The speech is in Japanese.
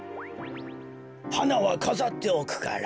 はなはかざっておくから。